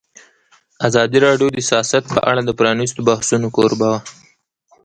ازادي راډیو د سیاست په اړه د پرانیستو بحثونو کوربه وه.